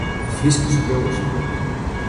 Mar wy moatte goede Fryske skriuwers hawwe.